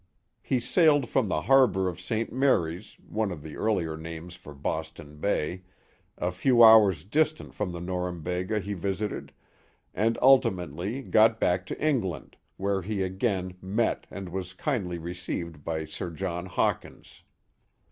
He sailed from the harbor of St. Mary's (one of the earlier names for Boston Bay) a few hours distant from the Norumbega he visited, and ultimately got back to England, where he again met and was kindly received by Sir John Hawkins.